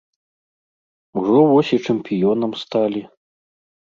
Ужо вось і чэмпіёнам сталі.